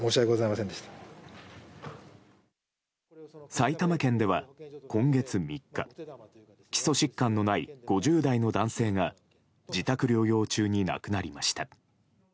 埼玉県では、今月３日基礎疾患のない５０代の男性が自宅療養中に亡くなりました。